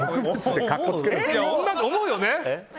女の子、思うよね？